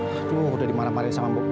aduh sudah dimarah marah sama mbak